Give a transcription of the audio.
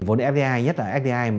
vốn fdi nhất là fdi